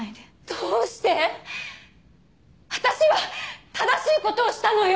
どうして⁉私は正しいことをしたのよ！